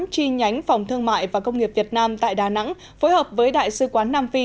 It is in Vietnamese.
chi nhánh phòng thương mại và công nghiệp việt nam tại đà nẵng phối hợp với đại sứ quán nam phi